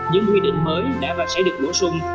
những quy định mới đã và sẽ được bổ sung